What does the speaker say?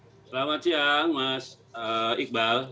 selamat siang mas iqbal